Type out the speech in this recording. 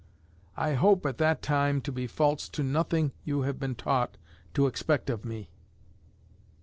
I hope at that time to be false to nothing you have been taught to expect of me.